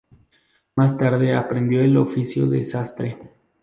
Más tarde aprendió el oficio de sastre.